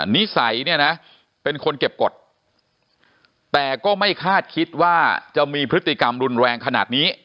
นิสัยเนี่ยนะเป็นคนเก็บกฎแต่ก็ไม่คาดคิดว่าจะมีพฤติกรรมรุนแรงขนาดนี้